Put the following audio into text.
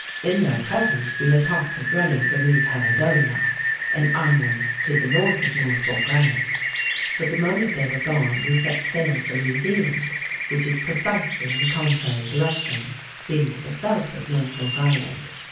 In their presence we had talked of running for New Caledonia—an Island to the north of Norfolk Island; but the moment they were gone, we set sail for New Zealand, which is precisely in a contrary direction—being to the south of Norfolk Island.